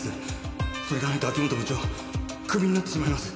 それがないと秋本部長クビになってしまいます。